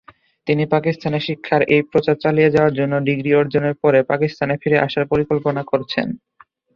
তিনি পাকিস্তানে শিক্ষার এই প্রচার চালিয়ে যাওয়ার জন্য ডিগ্রি অর্জনের পরে পাকিস্তানে ফিরে আসার পরিকল্পনা করছেন।